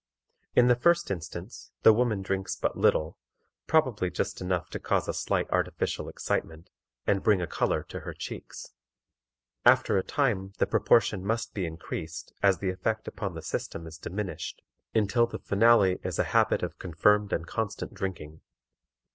In the first instance the woman drinks but little, probably just enough to cause a slight artificial excitement, and bring a color to her cheeks. After a time the proportion must be increased as the effect upon the system is diminished, until the finale is a habit of confirmed and constant drinking.